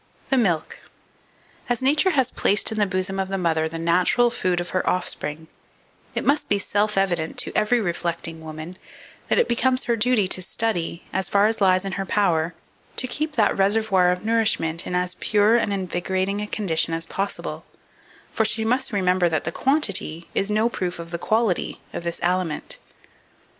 THE MILK. 2472. As Nature has placed in the bosom of the mother the natural food of her offspring, it must be self evident to every reflecting woman, that it becomes her duty to study, as far as lies in her power, to keep that reservoir of nourishment in as pure and invigorating a condition as possible; for she must remember that the quantity is no proof of the quality of this aliment.